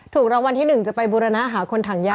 ถูกรางวัลที่หนึ่งจะไปบูระนะหาคนแสงย่า